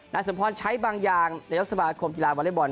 สมพรใช้บางอย่างนายกสมาคมกีฬาวอเล็กบอล